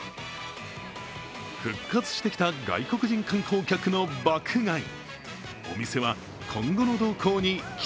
復活してきた外国人観光客の爆買い。